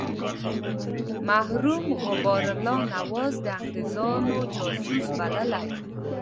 مرحوم غبار الله نواز د انګرېزانو جاسوس بللی.